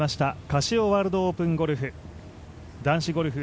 カシオワールドオープンゴルフ。